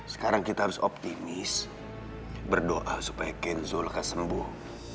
sekarang kita harus optimis berdoa supaya kenzo akan sembuh